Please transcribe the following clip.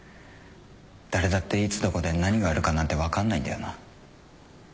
誰だっていつどこで何があるかなんて分かんないんだよな。